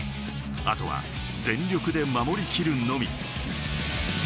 あとは全力で守り切るのみ。